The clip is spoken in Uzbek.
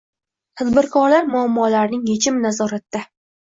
Tadbirkorlar muammolarining yechimi nazoratda